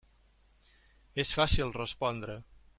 És fàcil respondre.